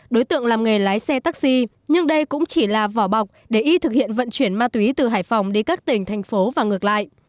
đối tượng làm nghề lái xe taxi nhưng đây cũng chỉ là vỏ bọc để y thực hiện vận chuyển ma túy từ hải phòng đi các tỉnh thành phố và ngược lại